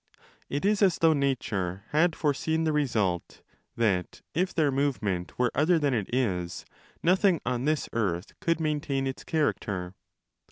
If is as though nature had foreseen the result, that if their move 25 ment were other than it is, nothing on this earth could maintain its character.